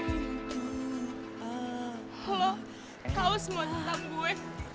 lo kau semua tentang gue